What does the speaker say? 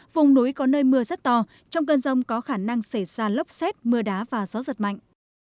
vùng núi có nơi mưa rất to trong cơn rông có khả năng xảy ra lốc xét mưa đá và gió giật mạnh